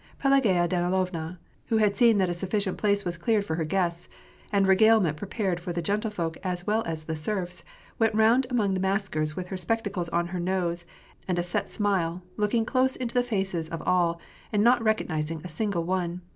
Pelagaya Danilovna, who had seen that a sufficient place was cleared for her guests, and regalement prepared for the gentlefolk as well as the serfs, went round among the maskers with her spectacles on her nose, and a set smile, looking close into the faces of all, and not recognizing a single one.